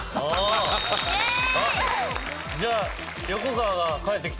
じゃあ。